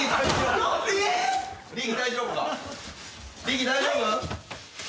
力大丈夫？